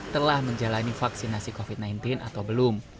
telah menjalani vaksinasi covid sembilan belas atau belum